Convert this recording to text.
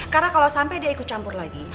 karena kalau sampai dia ikut campur lagi